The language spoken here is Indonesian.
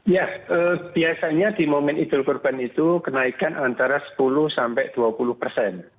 ya biasanya di momen idul kurban itu kenaikan antara sepuluh sampai dua puluh persen